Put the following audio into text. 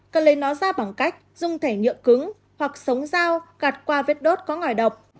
cần lấy nó ra bằng cách dùng thẻ nhựa cứng hoặc sống dao gặt qua vết đốt có ngỏi độc